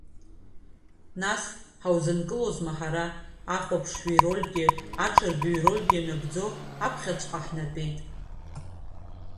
Нас, ҳаузынкылозма ҳара, ахәаԥшҩы ирольгьы, аҽырбаҩ ирольгьы нагӡо аԥхьаҵәҟьа ҳнатәеит.